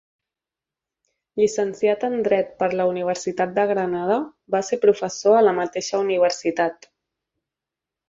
Llicenciat en Dret per la Universitat de Granada, va ser professor a la mateixa universitat.